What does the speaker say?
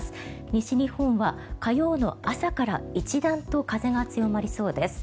西日本は火曜の朝から一段と風が強まりそうです。